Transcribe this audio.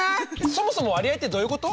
そもそも割合ってどういうこと？